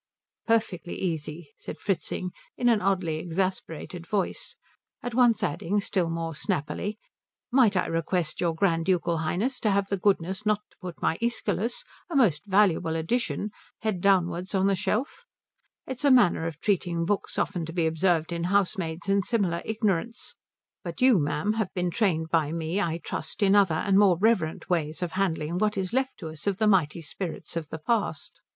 "Perfectly easy," said Fritzing in an oddly exasperated voice; at once adding, still more snappily, "Might I request your Grand Ducal Highness to have the goodness not to put my Æschylus a most valuable edition head downwards on the shelf? It is a manner of treating books often to be observed in housemaids and similar ignorants. But you, ma'am, have been trained by me I trust in other and more reverent ways of handling what is left to us of the mighty spirits of the past."